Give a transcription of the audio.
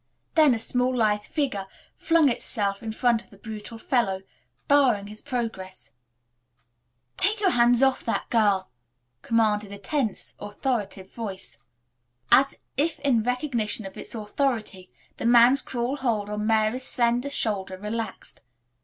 Then a small, lithe figure flung itself in front of the brutal fellow, barring his progress. "Take your hands off that girl," commanded a tense, authoritative voice. As if in recognition of its authority the man's cruel hold on Mary's slender shoulder relaxed.